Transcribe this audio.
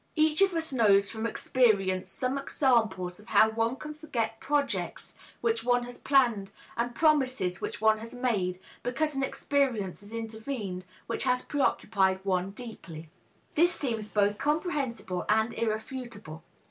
Each of us knows from experience some examples of how one can forget projects which one has planned and promises which one has made, because an experience has intervened which has preoccupied one deeply. This seems both comprehensible and irrefutable.